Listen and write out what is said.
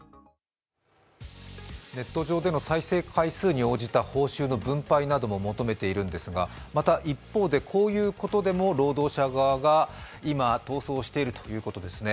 ネット上での再生回数に応じた分配なども求めているんですがまた一方でこういうことでも労働者側が今、闘争しているということですね